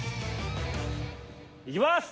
行きます。